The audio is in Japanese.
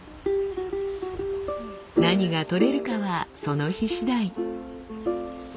何がとれるかはその日しだい。